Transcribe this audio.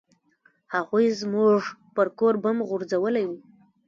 هغوى زموږ پر کور بم غورځولى و.